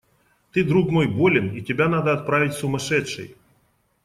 Ты, друг мой, болен, и тебя надо отправить в сумасшедший.